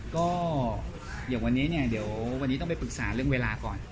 ก็อย่างวันนี้เนี่ยเดี๋ยววันนี้ต้องไปปรึกษาเรื่องเวลาก่อน